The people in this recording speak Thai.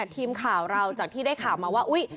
ทีมข่าวเราจากที่ได้ข่าวมาว่าอุ๊ย